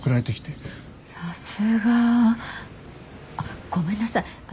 さすが。あっごめんなさい。